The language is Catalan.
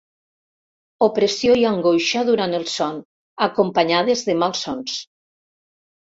Opressió i angoixa durant el son, acompanyades de malsons.